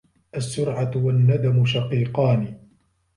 السرعة والندم شقيقان.